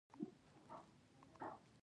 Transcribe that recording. نجلۍ د نېک عمل سمبول ده.